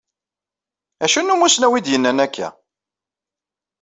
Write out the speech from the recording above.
Acu n umusnaw i d-yennan akka?